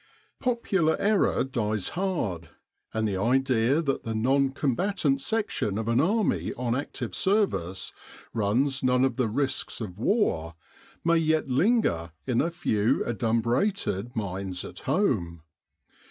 Popular error dies hard; and the idea that the non combatant section of an army on active service runs none of the risks of war, may yet linger in a few adumbrated minds at home.